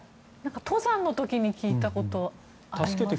登山の時に聞いたことあります。